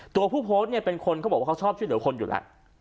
ตัวผู้โพสต์เนี่ยเป็นคนเขาบอกว่าเขาชอบช่วยเหลือคนอยู่แล้ว